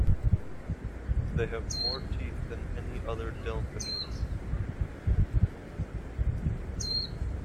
They have more teeth than any other delphinids.